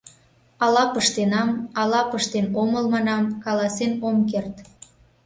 — Ала пыштенам, ала пыштен омыл, манам, каласен ом керт.